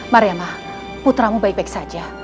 mariamah putramu baik baik saja